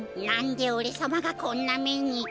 なんでおれさまがこんなめに。